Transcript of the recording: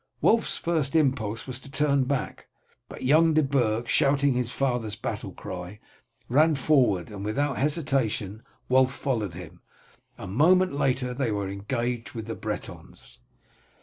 Wulf's first impulse was to turn back, but young de Burg, shouting his father's battle cry, ran forward, and without hesitation Wulf followed him. A moment later they were engaged with the Bretons.